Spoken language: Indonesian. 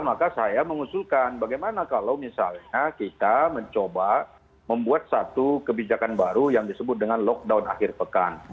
maka saya mengusulkan bagaimana kalau misalnya kita mencoba membuat satu kebijakan baru yang disebut dengan lockdown akhir pekan